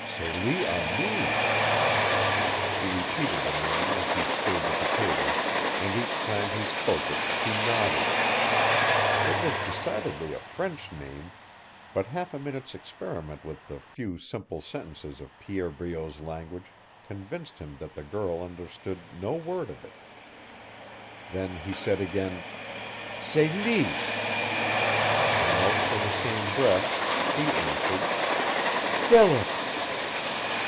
Celie Armin! He repeated the name as he stirred the potatoes, and each time he spoke it she nodded. It was decidedly a French name but half a minute's experiment with a few simple sentences of Pierre Breault's language convinced him that the girl understood no word of it. Then he said again: "Celie!" Almost in the same breath she answered: "Philip!"